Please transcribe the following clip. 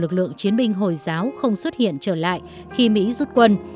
lực lượng chiến binh hồi giáo không xuất hiện trở lại khi mỹ rút quân